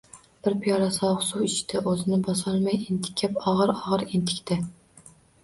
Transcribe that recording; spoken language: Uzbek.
Bir piyola sovuq suv ichdi. O’zini bosolmay entikdi. Og‘ir-og‘ir entikdi.